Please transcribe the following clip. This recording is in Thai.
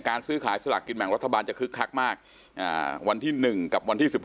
ซื้อขายสลากกินแบ่งรัฐบาลจะคึกคักมากวันที่๑กับวันที่๑๖